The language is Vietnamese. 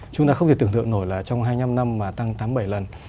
chúng ta không thể tưởng tượng nổi là trong hai mươi năm năm mà tăng tám mươi bảy lần